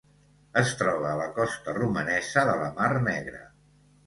Es troba a la costa romanesa de la Mar Negra.